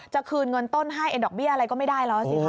จะคืนเงินต้นให้ไอโดรกเบี้ยอะไรก็ไม่ได้หรอสิครับ